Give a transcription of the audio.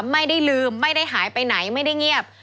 ไม่ได้ลืมไม่ได้หายไปไหนไม่ได้เงียบ